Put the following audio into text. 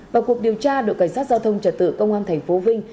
vào cuộc điều tra đội cảnh sát giao thông trật tự công an tp vinh